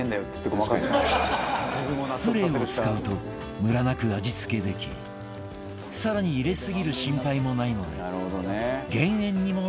スプレーを使うとムラなく味付けでき更に入れすぎる心配もないので減塩にもなるという